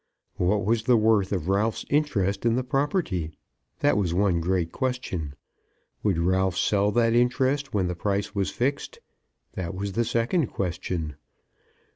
What was the worth of Ralph's interest in the property? That was one great question. Would Ralph sell that interest when the price was fixed? That was the second question.